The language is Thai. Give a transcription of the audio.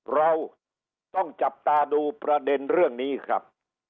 เราต้องจับตาดูประเด็นเรื่องนี้ครับ